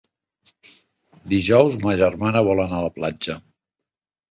Dijous ma germana vol anar a la platja.